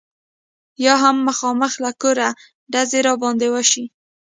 یا هم مخامخ له کوره ډزې را باندې وشي.